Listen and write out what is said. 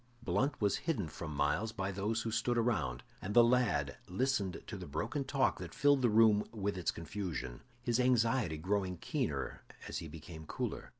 Blunt was hidden from Myles by those who stood around, and the lad listened to the broken talk that filled the room with its confusion, his anxiety growing keener as he became cooler.